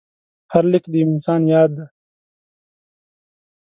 هر لیک د یو انسان یاد دی.